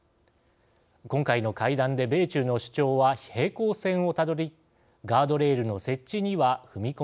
今回の会談で米中の主張は平行線をたどりガードレールの設置には踏み込めませんでした。